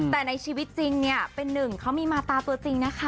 แต่ในชีวิตจริงเนี่ยเป็นหนึ่งเขามีมาตาตัวจริงนะคะ